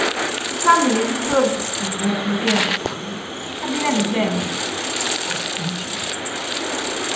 _" The families of Berlifitzing and Metzengerstein had been at variance for centuries.